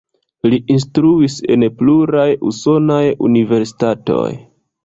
Li instruis en pluraj usonaj universitatoj.